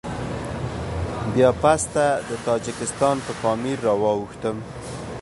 بيا پسته د تاجکستان په پامير راواوښتم.